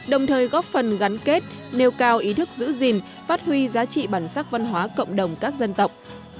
đồng thời góp phần gắn kết nêu cao ý thức giữ gìn phát huy giá trị bản sắc văn hóa cộng đồng các dân tộc